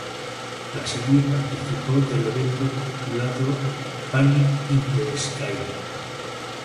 La serie participó del evento titulado "Panic in the Sky".